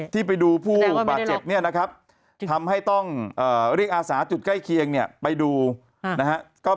ที่ไปดูผู้บาดเจ็บเนี่ยนะครับทำให้ต้องเรียกอาสาจุดใกล้เคียงเนี่ยไปดูนะครับ